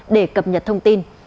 để cập nhật thông tin